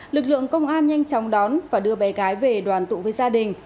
lực lượng công an nhanh chóng đón và đưa bé gái về đoàn tụ với gia đình